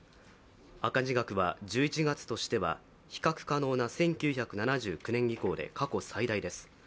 赤字額は１１月としては比較可能な１９７９年以降で過去最大です。